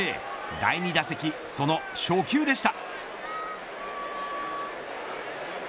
第２打席、その初球でした。